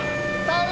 さあ